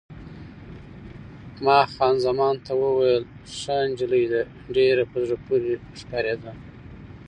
ما خان زمان ته وویل: ښه نجلۍ ده، ډېره په زړه پورې ښکارېده.